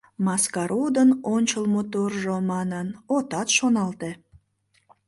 Маскародын ончыл моторжо манын, отат шоналте.